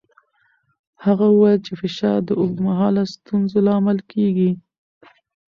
هغه وویل چې فشار د اوږدمهاله ستونزو لامل کېږي.